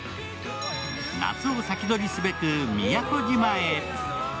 夏を先取りすべく、宮古島へ。